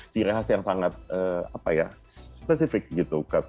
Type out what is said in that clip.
ciri khas yang sangat apa ya spesifik gitu